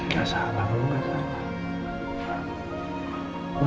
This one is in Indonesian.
gak salah kamu gak salah